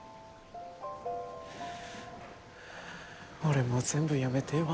俺もう全部やめてえわ。